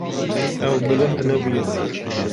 Ew bilind nebûye.